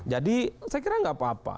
jadi saya kira tidak apa apa